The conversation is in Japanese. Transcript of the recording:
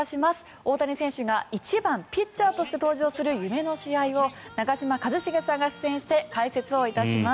大谷選手が１番ピッチャーとして登場する夢の試合を長嶋一茂さんが出演して解説をいたします。